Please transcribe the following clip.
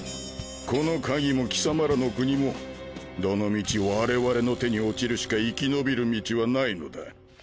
この鍵も貴様らの国もどのみち我々の手に落ちるしか生き延びる道はないのだ。